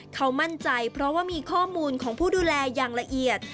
เขามั่นใจเพราะว่ามีข้อมูลของผู้ดูแลอย่างละเอียด